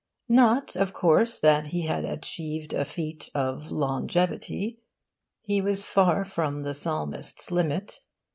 Not, of course, that he had achieved a feat of longevity. He was far from the Psalmist's limit.